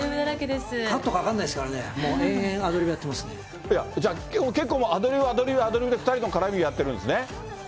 カットかからないですからね、じゃあ、結構、アドリブ、アドリブ、アドリブで２人の絡み、やってるんですね。